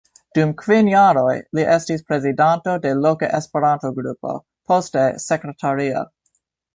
Dum kvin jaroj li estis prezidanto de loka Esperanto-Grupo, poste sekretario.